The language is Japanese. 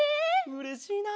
うれしいな！